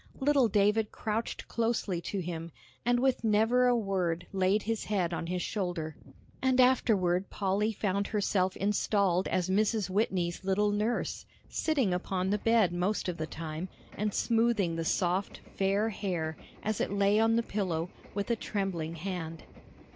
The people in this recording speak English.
Little David crouched closely to him, and with never a word laid his head on his shoulder. And afterward Polly found herself installed as Mrs. Whitney's little nurse, sitting upon the bed most of the time, and smoothing the soft, fair hair, as it lay on the pillow, with a trembling hand.